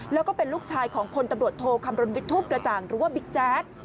แล้วก็เป็นลูกชายของพลตำรวจโทคำรณวิทย์ทูปกระจ่างหรือว่าบิ๊กแจ๊ด